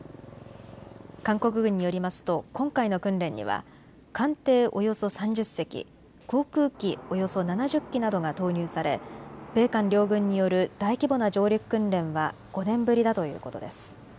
韓国軍によりますと今回の訓練には艦艇およそ３０隻、航空機およそ７０機などが投入され米韓両軍による大規模な上陸訓練は５年ぶりだということです。